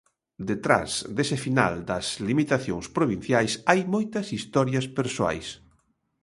Detrás dese final das limitacións provinciais hai moitas historias persoais.